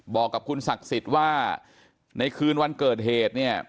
บอกกับคุณศักดิ์สิทธิ์ว่าในคืนวันเกิดเหตุเนี่ย